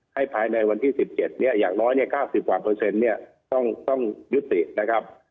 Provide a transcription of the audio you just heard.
ให้ภายในวันที่๑๗อย่างร้อย๙๐ต้องยุตินะครับ